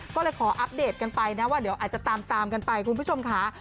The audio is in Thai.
ก็เลยขออัปเดตกันไปนะว่าเดี๋ยวอาจจะตามกันไปคุณผู้ชมค่ะ